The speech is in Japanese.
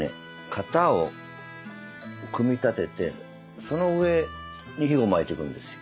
型を組み立ててその上に巻いてくんですよ。